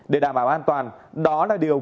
để đảm bảo an toàn đó là điều